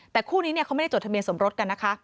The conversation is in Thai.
แต่คู่นี้เขาไม่ได้จดทะเบียนสมรสกันนะคะ